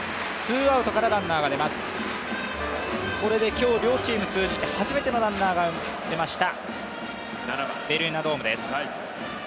今日両チーム通じて初めなのランナーが出ましたベルーナドームです。